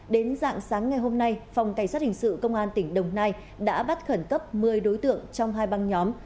đến dạng sáng ngày hôm nay phòng cảnh sát hình sự công an tỉnh đồng nai đã bắt khẩn cấp một mươi đối tượng trong hai băng nhóm